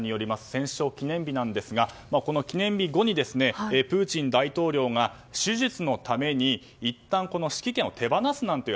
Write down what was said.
戦勝記念日なんですがこの記念日後にプーチン大統領が手術のためにいったん指揮権を手放すなんて